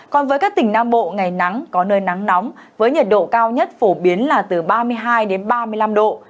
còn với các tỉnh nam bộ ngày nắng có nơi nắng nóng với nhiệt độ cao nhất phổ biến là từ ba mươi hai đến ba mươi năm độ